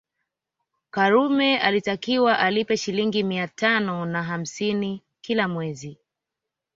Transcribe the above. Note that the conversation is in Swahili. Karume alitakiwa alipe Shilingi mia tano na hamsini kila mwezi